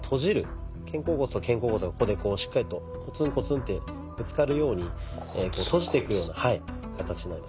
肩甲骨と肩甲骨をここでこうしっかりとコツンコツンってぶつかるように閉じていくような形になります。